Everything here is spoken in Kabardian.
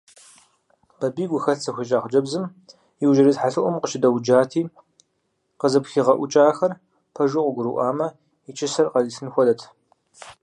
Бабий гухэлъ зыхуищӀа хъыджэбзым иужьрей тхьэлъэӀум къыщыдэуджати, къызыпхигъэӀукӀахэр пэжу къыгурыӀуамэ, и чысэр къритын хуэдэт.